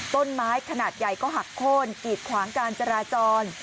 ต้นไม้ขนาดใหญ่ก็หักโค้นกีดขวางการจราจร